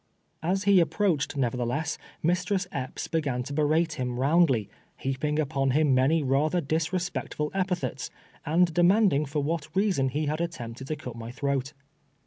As he approached, nevertheless, Mistress Epps be gan to berate him roundly, heaping upon him many rather disrespectful epithets, and demanding for what reason he had attempted to cut my throat.